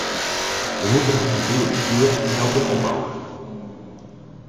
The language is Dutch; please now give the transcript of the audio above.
We moeten het civiele bestuur helpen opbouwen.